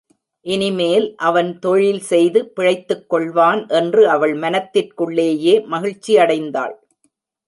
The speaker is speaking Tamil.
இனிமேல் அவன் தொழில் செய்து பிழைத்துக்கொள்வான் என்று அவள் மனத்திற்குள்ளேயே மகிழ்ச்சியடைந்தாள்.